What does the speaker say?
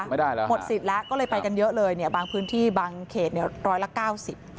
ไม่ได้ละค่ะมีสิทธิ์ละก็เลยไปกันเยอะเลยบางพื้นที่บางเขตร้อยละ๙๐